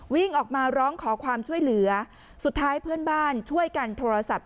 วิ่งออกมาร้องขอความช่วยเหลือสุดท้ายเพื่อนบ้านช่วยกันโทรศัพท์